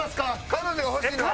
彼女が欲しいの。